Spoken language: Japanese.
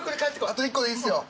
あと１個でいいですよ。